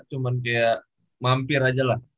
cuma kayak mampir aja lah